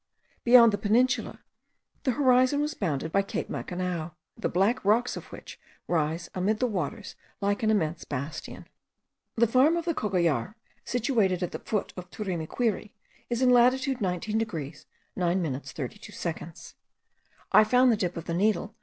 Beyond the peninsula the horizon was bounded by Cape Macanao, the black rocks of which rise amid the waters like an immense bastion. The farm of the Cocollar, situated at the foot of the Turimiquiri, is in latitude 19 degrees 9 minutes 32 seconds. I found the dip of the needle 42.